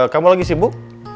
kamu lagi sibuk